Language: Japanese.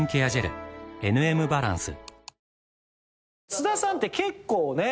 津田さんって結構ね。